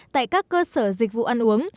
tại các cơ sở dịch vụ ăn uống